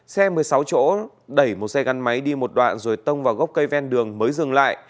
xe một mươi sáu chỗ đẩy một xe gắn máy đi một đoạn rồi tông vào gốc cây ven đường mới dừng lại